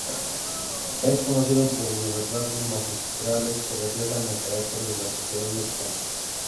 Es conocido por sus retratos magistrales que reflejan el carácter de la sociedad mexicana.